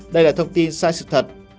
đây là thông tin sai sự thật